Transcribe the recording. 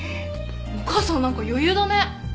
お母さんなんか余裕だね。